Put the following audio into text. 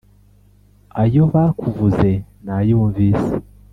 ayo bakuvuze nayumvise,